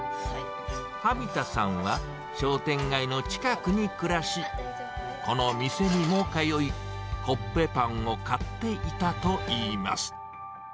紙田さんは、商店街の近くに暮らし、この店にも通い、コッペパンを買っていたといいます。